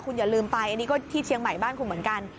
คุณอย่าลืมไปอันนี้ก็ที่เชียงใหม่บ้านคุณเหมือนกัน